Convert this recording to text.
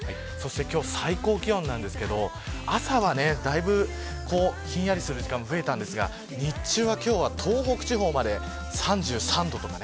今日の最高気温ですが朝はだいぶ、ひんやりする時間も増えたんですが日中は東北地方まで３３度とか。